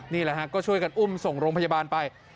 นี่แหละฮะก็ช่วยกันอุ้มส่งโรงพยาบาลไป